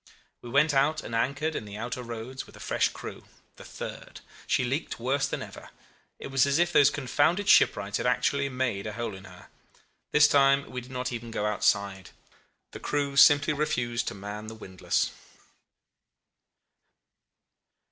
"We went out and anchored in the outer roads with a fresh crew the third. She leaked worse than ever. It was as if those confounded shipwrights had actually made a hole in her. This time we did not even go outside. The crew simply refused to man the windlass.